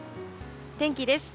天気です。